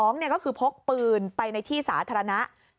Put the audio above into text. ๒ก็คือพกปืนไปในที่สาธารณะ